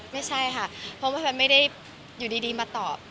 ไม่ใช่ค่ะเพราะว่ามันไม่ได้อยู่ดีมาตอบ